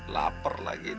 laper lagi nih